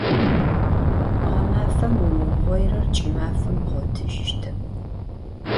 Ğemafem vumığoirer, ç'ımafem bğotıjıştep.